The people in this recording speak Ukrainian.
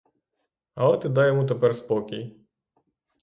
Але ти дай йому тепер спокій.